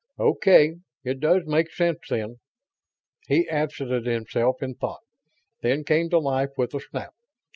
"Okay, it does make sense, then." He absented himself in thought, then came to life with a snap.